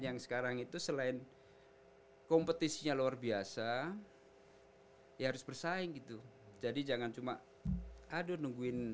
yang sekarang itu selain kompetisinya luar biasa ya harus bersaing gitu jadi jangan cuma aduh nungguin